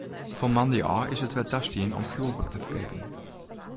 Fan moandei ôf is it wer tastien om fjoerwurk te ferkeapjen.